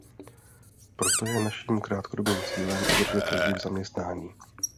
Proto je naším krátkodobým cílem udržet lidi v zaměstnání.